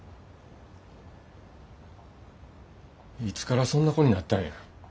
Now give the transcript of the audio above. いつからそんな子になったんや。